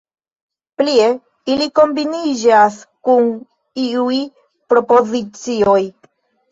Plie, ili kombiniĝas kun iuj prepozicioj.